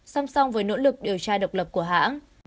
xăm xong với nỗ lực điều tra độc lập của hãng